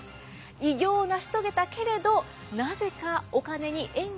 偉業を成し遂げたけれどなぜかお金に縁がなかった偉人